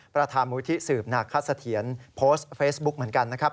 ประธานมูลที่สืบนาคสะเทียนโพสต์เฟซบุ๊กเหมือนกันนะครับ